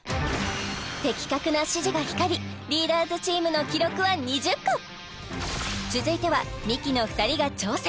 的確な指示が光りリーダーズチームの記録は２０個続いてはミキの２人が挑戦